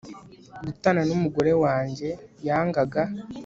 gutana n'umugore wanjye, yangaga